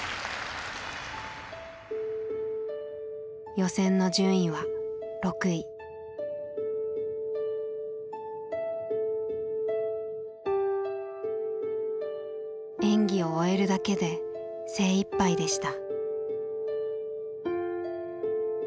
予選の順位は演技を終えるだけで精いっぱいでした。